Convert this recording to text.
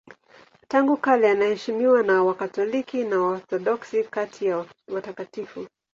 Tangu kale anaheshimiwa na Wakatoliki na Waorthodoksi kati ya watakatifu.